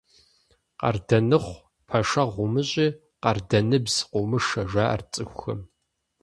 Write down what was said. «Къардэныхъу пэшэгъу умыщӀи, къардэныбз къыумышэ», – жаӀэрт цӀыхухэм.